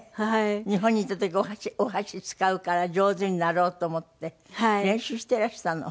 日本に行った時お箸使うから上手になろうと思って練習していらしたの。